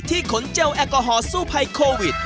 ขนเจลแอลกอฮอลสู้ภัยโควิด